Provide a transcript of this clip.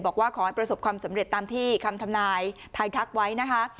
บอกว่าขอให้ประสบความสำเร็จตามที่คำทำนายทายทักไว้นะคะ